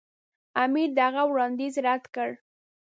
امیر د هغه وړاندیز رد کړ.